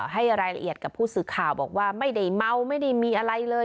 ให้รายละเอียดกับผู้สื่อข่าวบอกว่าไม่ได้เมาไม่ได้มีอะไรเลย